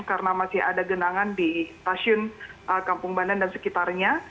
karena masih ada genangan di stasiun kampung bandan dan sekitarnya